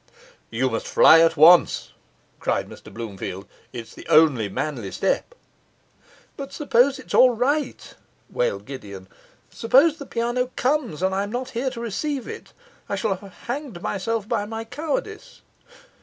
'You must fly at once,' cried Mr Bloomfield, 'it's the only manly step.' 'But suppose it's all right?' wailed Gideon. 'Suppose the piano comes, and I am not here to receive it? I shall have hanged myself by my cowardice.